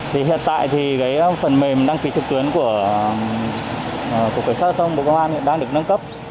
thì hiện tại thì cái phần mềm đăng ký trực tuyến của cục cảnh sát giao thông bộ công an hiện đang được nâng cấp